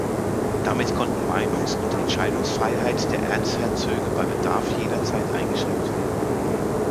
Damit konnten Meinungs- und Entscheidungsfreiheit der Erzherzöge bei Bedarf jederzeit eingeschränkt werden.